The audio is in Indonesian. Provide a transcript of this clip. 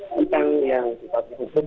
tentang yang kita susun